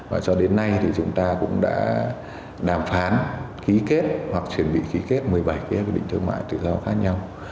và cho đến nay thì chúng ta cũng đã đàm phán khí kết hoặc chuẩn bị khí kết một mươi bảy hiệp định thương mại tự do khác nhau